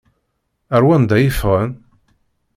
Ar wanda i ffɣen?